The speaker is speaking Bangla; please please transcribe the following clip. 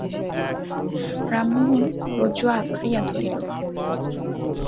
রামমোহন রজ্জু আঁকড়িয়া ধরিল।